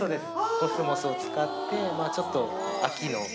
コスモスを使ってちょっと。